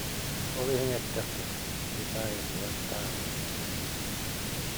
Ол иһин эттэхтэрэ «киһи таайыллыбат таабырын» диэн